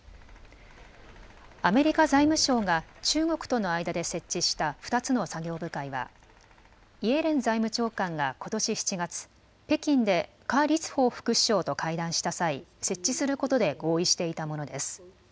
アメリカ財務省が中国との間で設置した２つの作業部会はイエレン財務長官がことし７月、北京で何立峰副首相と会談した際、設置することで合意していたものです。